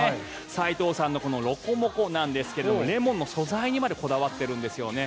斎藤さんのロコモコなんですけどレモンの素材にまでこだわっているんですよね。